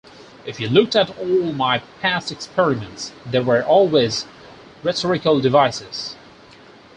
If you looked at all my past experiments, they were always rhetorical devices.